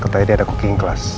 katanya dia ada cooking class